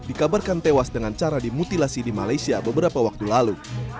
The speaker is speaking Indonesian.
dikabarkan tewas dengan cara dimutilasi di malaysia beberapa waktu lalu